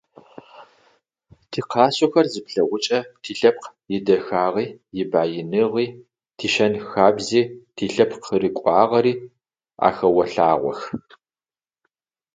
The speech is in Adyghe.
Тикъашъохэр зыплъэгъукӏэ тилъэпкъ идэхагъи, ибаиныгъи, тишэн-хабзи, тилъэпкъ къырыкӏуагъэри ахэолъагъох.